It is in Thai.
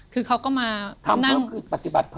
คือเขาก็มาทำเรื่องคือปฏิบัติเพิ่ม